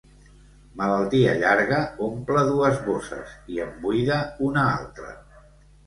Malaltia llarga omple dues bosses i en buida una altra.